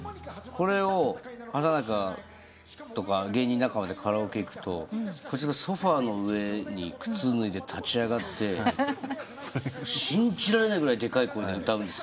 これを畠中とか芸人仲間でカラオケ行くとこいつがソファの上に靴脱いで立ち上がって信じられないぐらいでかい声で歌うんですよ。